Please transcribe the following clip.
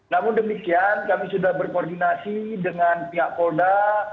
namun demikian kami sudah berkoordinasi dengan pihak polda